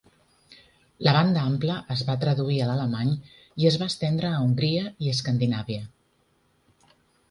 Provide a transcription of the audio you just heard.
La banda ampla es va traduir a l'alemany i es va estendre a Hongria i Escandinàvia.